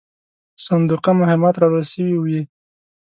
صندوقه مهمات راوړل سوي وې.